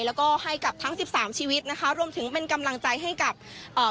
แล้วก็ให้กับทั้งสิบสามชีวิตนะคะรวมถึงเป็นกำลังใจให้กับเอ่อ